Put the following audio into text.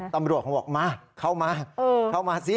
ตำรวจเขาบอกมาเข้ามาสิมาใกล้ก่อน